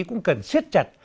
cũng cần siết chặt